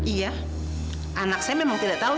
iya anak saya memang tidak tahu